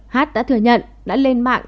hát đã thừa nhận đã lên mạng